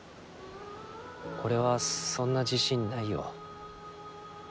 俺はそんな自信ないよ。